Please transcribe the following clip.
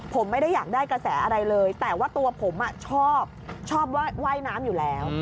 ผมไม่ได้อยากได้กระแสอะไรเลยแต่ว่าตัวผมชอบชอบว่าว่ายน้ำอยู่แล้ว